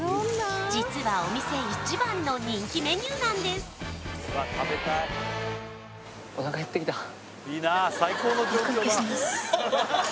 実はお店一番の人気メニューなんですはい